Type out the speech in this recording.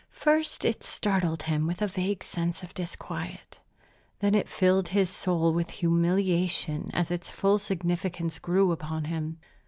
First it startled him with a vague sense of disquiet. Then it filled his soul with humiliation as its full significance grew upon him.